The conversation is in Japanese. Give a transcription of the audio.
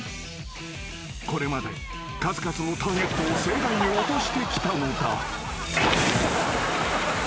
［これまで数々のターゲットを盛大に落としてきたのだ］